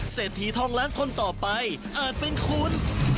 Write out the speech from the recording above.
เศรษฐีทองล้านคนต่อไปอาจเป็นคุณ